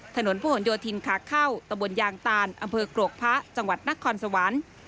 ถนนพระหลโยธินขาเข้าตะบนยางตานอำเภอกรกพระจังหวัดนครสวรรค์